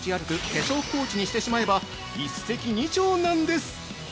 化粧ポーチにしてしまえば一石二鳥なんです！